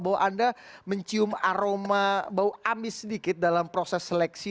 bahwa anda mencium aroma bau amis sedikit dalam proses seleksi